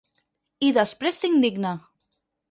I després s'indigna.